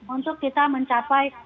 untuk kita mencapai